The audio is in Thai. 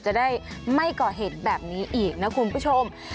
จะได้ไม่ก่อเหตุแบบนี้อีกนะคุณผู้ชม